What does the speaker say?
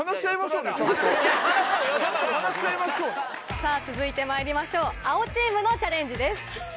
さぁ続いてまいりましょう青チームのチャレンジです。